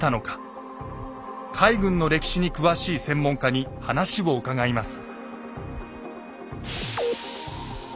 海軍の歴史に詳しい専門家に話を伺います。